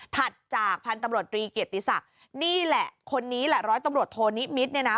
ถัดจากพันธุ์ตำรวจตรีเกียรติศักดิ์นี่แหละคนนี้แหละร้อยตำรวจโทนิมิตรเนี่ยนะ